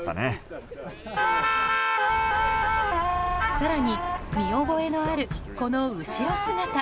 更に、見覚えのあるこの後ろ姿。